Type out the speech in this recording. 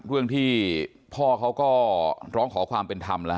เรื่องที่พ่อเขาก็ร้องขอความเป็นธรรมแล้วฮ